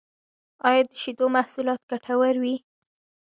ایا د شیدو محصولات ګټور وی؟